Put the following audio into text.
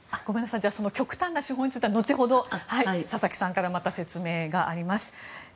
その極点な手法についてはまた後ほど佐々木さんから説明があります。